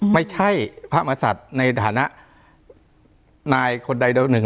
ไม่ใช่พระมศัตริย์ในฐานะนายคนใดโดยหนึ่ง